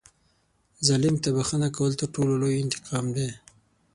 ظالم ته بښنه کول تر ټولو لوی انتقام دی.